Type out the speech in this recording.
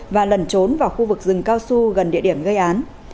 và lần trốn vào khu vực rừng cao su gần địa điểm gây án